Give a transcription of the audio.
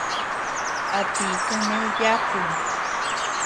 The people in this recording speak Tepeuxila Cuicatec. ¿A ti kane yákum?